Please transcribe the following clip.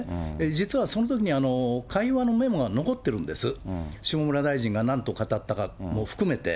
実はそのときに、会話のメモが残ってるんです、下村大臣がなんと語ったかも含めて。